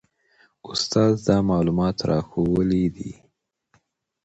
استاد دا معلومات راښوولي دي.